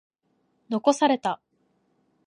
残された。